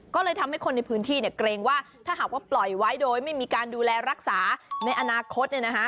ก็เลยทำให้คนในพื้นที่เกรงว่าถ้าหากว่าปล่อยไว้โดยไม่มีการดูแลรักษาในอนาคต